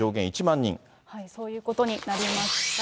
そういうことになりました。